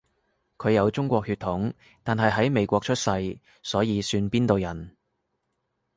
佢有中國血統，但係喺美國出世，所以算邊度人？